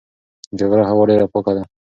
د غره هوا ډېره پاکه ده.